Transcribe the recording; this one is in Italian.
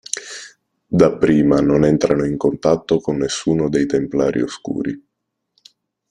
Dapprima non entrano in contatto con nessuno dei templari oscuri.